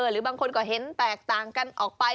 หรือบางคนก็เห็นแตกต่างกันออกไป